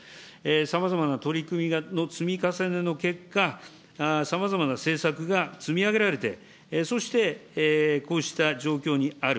さまざまな取り組みの積み重ねの結果、さまざまな政策が積み上げられて、そしてこうした状況にある。